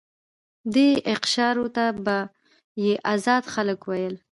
دې اقشارو ته به یې آزاد خلک ویل.